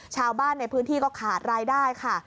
ชาวบ้านในพื้นที่ก็ขาดรายได้ค่ะ